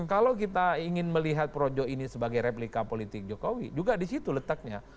kalau kita ingin melihat projo ini sebagai replika politik jokowi juga di situ letaknya